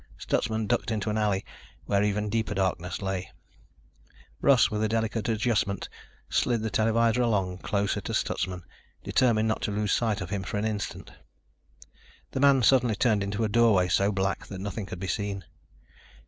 Stutsman ducked into an alley where even deeper darkness lay. Russ, with a delicate adjustment, slid the televisor along, closer to Stutsman, determined not to lose sight of him for an instant. The man suddenly turned into a doorway so black that nothing could be seen.